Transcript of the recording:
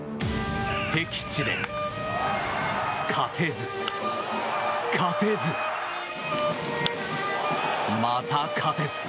敵地で、勝てず、勝てずまた勝てず。